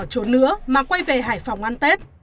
đừng có chốn nữa mà quay về hải phòng ăn tết